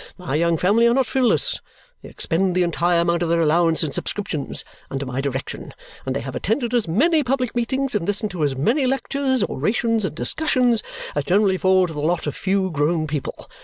My young family are not frivolous; they expend the entire amount of their allowance in subscriptions, under my direction; and they have attended as many public meetings and listened to as many lectures, orations, and discussions as generally fall to the lot of few grown people.